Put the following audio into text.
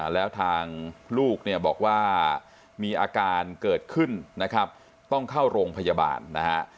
แล้วทางลูกเนี่ยบอกว่ามีอาการเกิดขึ้นนะครับต้องเข้าโรงพยาบาลนะฮะ